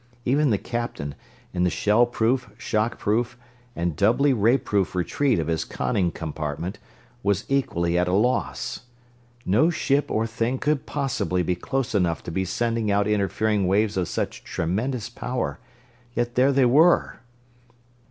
Even the captain, in the shell proof, shock proof, and doubly ray proof retreat of his conning compartment, was equally at a loss. No ship or thing could possibly be close enough to be sending out interfering waves of such tremendous power yet there they were!